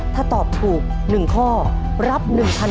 ถ้าตอบถูก๑ข้อรับ๑๐๐๐